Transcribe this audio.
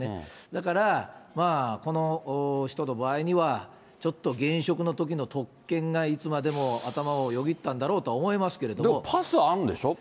だから、この人の場合には、ちょっと現職のときの特権がいつまでも頭をよぎったんだろうと思でも、パスはあるんでしょ？